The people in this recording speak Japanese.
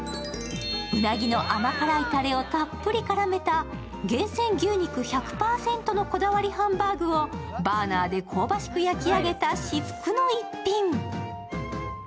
うなぎの甘辛いたれをたっぷり絡めた厳選牛肉１００％のこだわりハンバーグをバーナーで香ばしく焼き上げた至福の逸品。